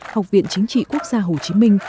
học viện chính trị quốc gia hồ chí minh